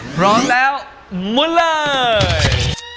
พร้อมแล้วมุนเลย